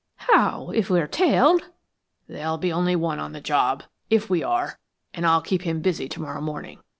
"How? If we're tailed " "There'll be only one on the job, if we are, and I'll keep him busy to morrow morning.